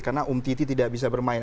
karena um titi tidak bisa bermain